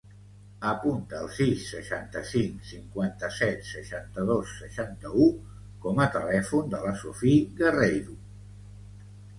Apunta el sis, seixanta-cinc, cinquanta-set, seixanta-dos, seixanta-u com a telèfon de la Sophie Guerreiro.